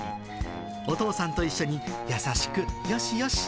お父さんと一緒に優しく、よしよし。